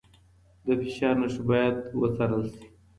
د فشار نښې باید وڅارل شي.